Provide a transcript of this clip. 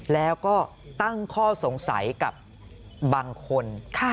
แล้วก็ตั้งข้อสงสัยกับบางคน